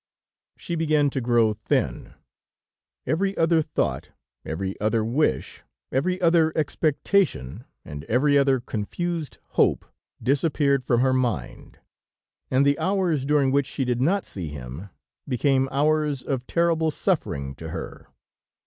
"She began to grow thin; every other thought, every other wish, every other expectation and every other confused hope, disappeared from her mind, and the hours during which she did not see him, became hours of terrible suffering to her.